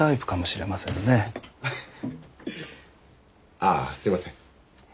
ああすいません。